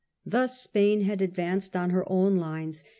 Thus Spain had advanced on her own lines.